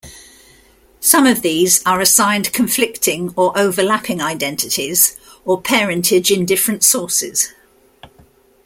Some of these are assigned conflicting or overlapping identities or parentage in different sources.